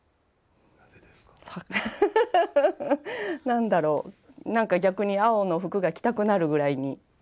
ハハハハハ何だろう何か逆に青の服が着たくなるぐらいに。